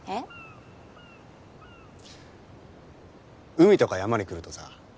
海とか山に来るとさ